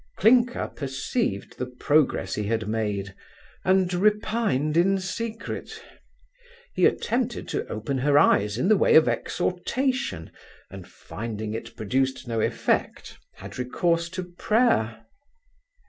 Clinker perceived the progress he had made, and repined in secret. He attempted to open her eyes in the way of exhortation, and finding it produced no effect had recourse to prayer.